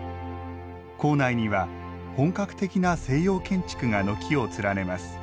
構内には本格的な西洋建築が軒を連ねます。